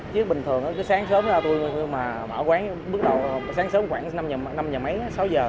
chứ bình thường sáng sớm ra tôi mà bảo quán sáng sớm khoảng năm giờ mấy sáu giờ